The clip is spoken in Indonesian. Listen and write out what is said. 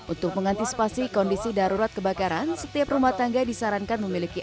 untuk mengantisipasi kondisi darurat kebakaran setiap rumah tangga disarankan memiliki